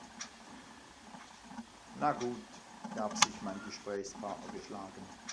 Na gut, gab sich mein Gesprächspartner geschlagen.